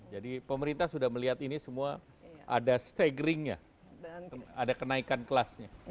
jadi pemerintah sudah melihat ini semua ada staggeringnya ada kenaikan kelasnya